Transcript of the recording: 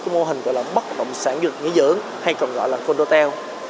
chúng ta phát triển một mô hình bất động sản dụng nghỉ dưỡng hay còn gọi là conotel